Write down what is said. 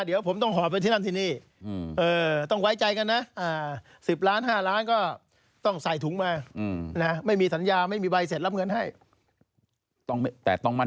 ให้ต้องมั่งแบบไม่มีหรือเปล่า